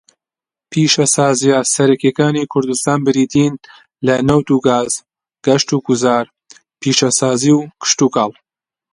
پیشەسازییە سەرەکییەکانی کوردستان بریتین لە نەوت و گاز، گەشتوگوزار، پیشەسازی، و کشتوکاڵ.